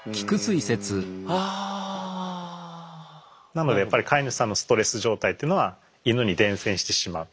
なのでやっぱり飼い主さんのストレス状態というのはイヌに伝染してしまう。